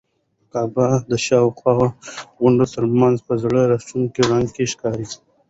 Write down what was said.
کعبه د شاوخوا غونډیو تر منځ په زړه راښکونکي رڼا کې ښکاري.